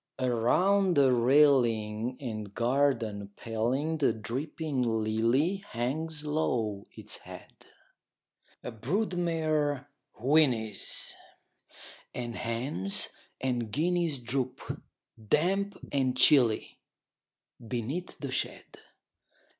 Around the railing and garden paling The dripping lily hangs low its head: A brood mare whinnies; and hens and guineas Droop, damp and chilly, beneath the shed.